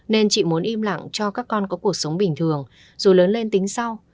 nên chị muốn im lặng cho các con có cuộc sống bình thường dù lớn lên tính sau